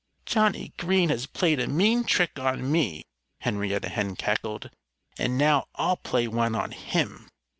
"Johnnie Green has played a mean trick on me," Henrietta Hen cackled. "And now I'll play one on him!